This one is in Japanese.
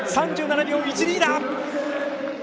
３７秒１２だ！